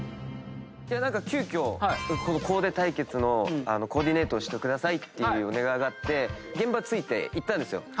急きょこのコーデ対決のコーディネートをしてくださいっていうお願いがあって現場着いて行ったんですよ。